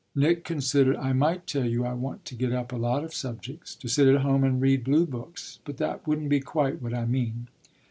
Nick considered. "I might tell you I want to get up a lot of subjects, to sit at home and read blue books; but that wouldn't be quite what I mean."